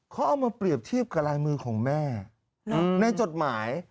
เขาเอามาเปรียบเทียบกับลายมือของแม่ในจดหมาย